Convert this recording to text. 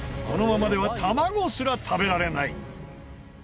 このままでは玉子すら食べられない。